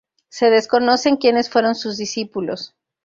Se desconocen quienes fueron sus discípulos.